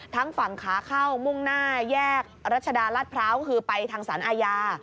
ทั้งฝั่งขาเข้ามุ่งหน้าแยกรัชดารัฐพร้าวคือไปทางสารอาญา